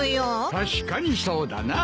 確かにそうだな。